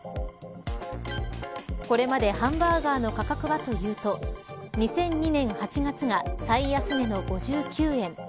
これまでハンバーガーの価格はというと２００２年８月が最安値の５９円。